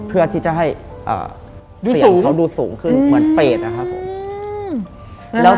เพื่อที่จะให้เสียงเหมือนไปสูงขึ้น